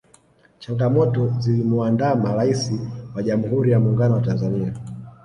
changamoto zilimuandama raisi wa jamuhuri ya muungano wa tanzania